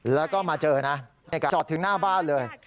แล้วก็มาเจอนะจอดถึงหน้าบ้านเลย